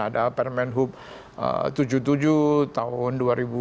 ada permen hub tujuh puluh tujuh tahun dua ribu dua puluh